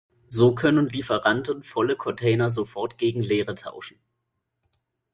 So können Lieferanten volle Container sofort gegen leere tauschen.